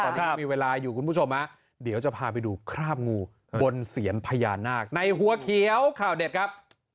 ตอนนี้มีเวลาอยู่คุณผู้ชมฮะเดี๋ยวจะพาไปดูคราบงูบนเสียนพญานาคในหัวเขียวข่าวเด็ดครับ